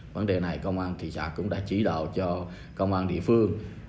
vấn đề này công an thị xã cũng đã chỉ đạo cho công an địa phương